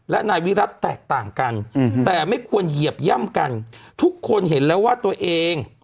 และนายวิรัติแตกต่างกันแต่ไม่ควรเหยียบย่ำกันทุกคนเห็นแล้วว่าตัวเอง